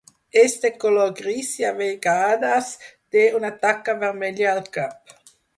És de color gris i a vegades té una taca vermella al cap.